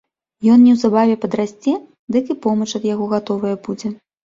Ён неўзабаве падрасце, дык і помач ад яго гатовая будзе.